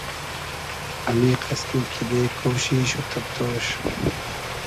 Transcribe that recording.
امیقئس کی کیدې کوشیش و تئبتۉش